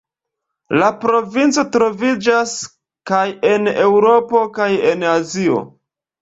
La provinco troviĝas kaj en Eŭropo kaj en Azio.